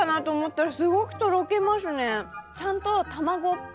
ちゃんと。